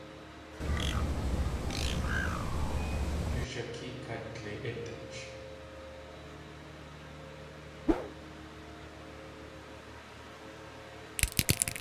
Du shakée kadli.ítʼch.